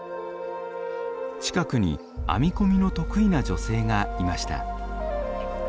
近くに編み込みの得意な女性がいました。